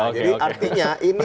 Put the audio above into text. jadi artinya ini